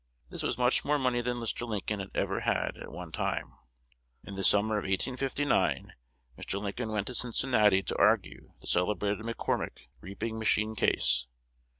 This was much more money than Mr. Lincoln had ever had at one time. In the summer of 1859 Mr. Lincoln went to Cincinnati to argue the celebrated McCormick reaping machine case.